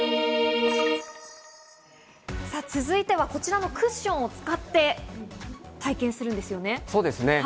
さぁ続いては、こちらのクッションを使って体験するんですよね。